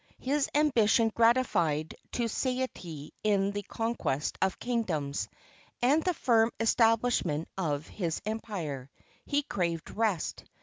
His ambition gratified to satiety in the conquest of kingdoms, and the firm establishment of his empire, he craved rest.